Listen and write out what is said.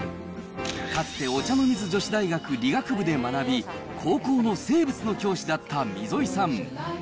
かつてお茶の水女子大学理学部で学び、高校の生物の教師だった溝井さん。